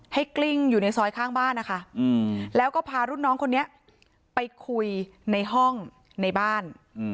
กลิ้งอยู่ในซอยข้างบ้านนะคะแล้วก็พารุ่นน้องคนนี้ไปคุยในห้องในบ้าน